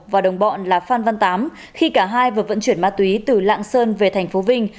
và đồng bọn là phan văn tám khi cả hai vừa vận chuyển ma túy từ lạng sơn về tp vinh